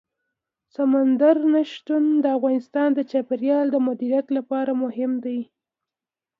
سمندر نه شتون د افغانستان د چاپیریال د مدیریت لپاره مهم دي.